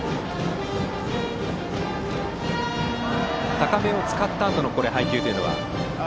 高めを使ったあとの配球というのは。